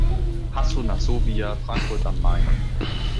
Hasso-Nassovia Frankfurt am Main.